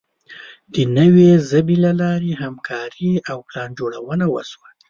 د نوې ژبې له لارې همکاري او پلانجوړونه وشوه.